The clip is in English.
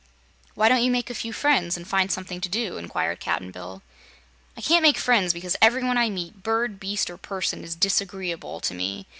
"Why don't you make a few friends, and find something to do?" inquired Cap'n Bill. "I can't make friends because everyone I meet bird, beast, or person is disagreeable to me.